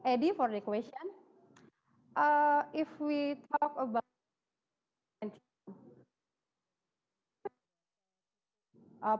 jika kita bicara tentang dua ribu dua puluh satu